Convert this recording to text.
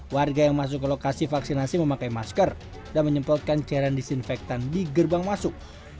warga yang masuk ke lokasi vaksinasi memakai masker dan menyemprotkan cairan disinfektan di gerbang masuk